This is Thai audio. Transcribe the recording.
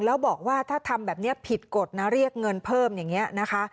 แล้วบอกว่าถ้าทำแบบนี้ผิดกฎนะเรียกเงินเพิ่มอย่างนี้นะคะ